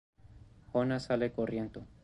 Jonas sale corriendo.